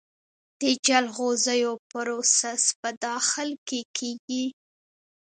د جلغوزیو پروسس په داخل کې کیږي؟